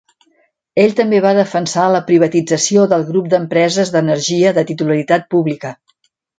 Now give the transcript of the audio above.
Ell també va defensar la privatització del grup d'empreses d'energia de titularitat pública.